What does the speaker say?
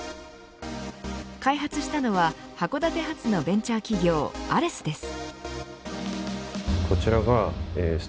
開発したのは函館発のベンチャー企業Ａｌｅｓです。